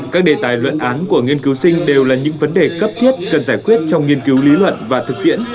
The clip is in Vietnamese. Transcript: các đề tài luận án của nghiên cứu sinh đều là những vấn đề cấp thiết cần giải quyết trong nghiên cứu lý luận và thực tiễn